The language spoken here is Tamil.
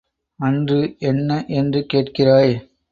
அன்று என்ன என்று கேட்கிறாய்?